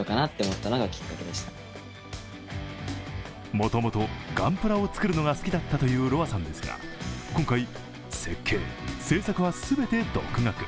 もともとガンプラを作るのが好きだったというＲｏａさんですが、今回、設計、製作は全て独学。